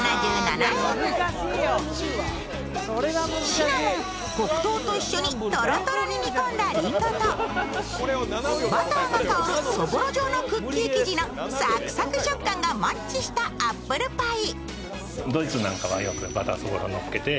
シナモン、黒糖と一緒にとろとろに煮込んだりんごとバターが香るそぼろ状のクッキー生地のサクサク食感がマッチしたアップルパイ。